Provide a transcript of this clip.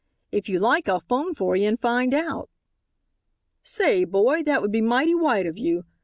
"If you like I'll phone for you and find out." "Say, boy, that would be mighty white of you.